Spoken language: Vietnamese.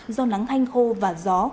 do nắng thanh khô và gió